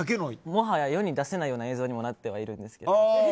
もはや世に出せないような映像になっているんですよ。